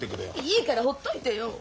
いいからほっといてよ。